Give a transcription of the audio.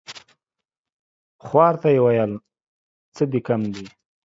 خوار ته يې ويل څه دي کم دي ؟